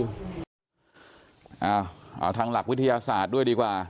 เอาทางหลักวิทยาศาสตร์ด้วยดีกว่า